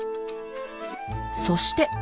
そして。